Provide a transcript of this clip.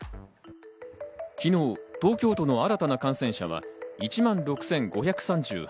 昨日、東京都の新たな感染者は１万６５３８人。